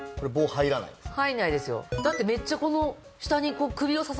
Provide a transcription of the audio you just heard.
入らないですよね。